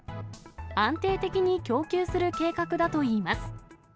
安定的に供給する計画だといいます。